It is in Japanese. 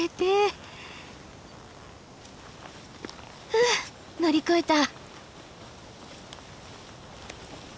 ふっ乗り越えた。